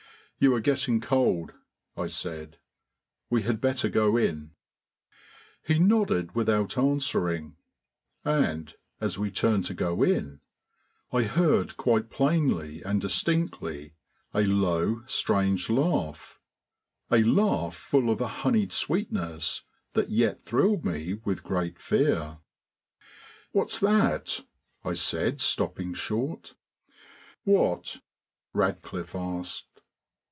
"You are getting cold," I said. "We had better go in." He nodded without answering, and, as we turned to go in, I heard quite plainly and distinctly a low, strange laugh, a laugh full of a honeyed sweetness that yet thrilled me with great fear. "What's that?" I said, stopping short. "What?" Radcliffe asked.